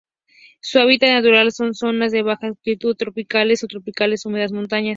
Su hábitat natural son: zonas de baja altitud subtropicales o tropicales húmedas montañas,